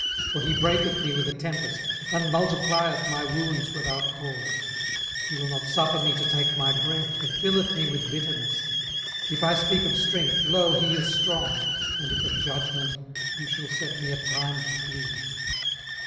18:009:017 For he breaketh me with a tempest, and multiplieth my wounds without cause. 18:009:018 He will not suffer me to take my breath, but filleth me with bitterness. 18:009:019 If I speak of strength, lo, he is strong: and if of judgment, who shall set me a time to plead?